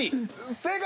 正解！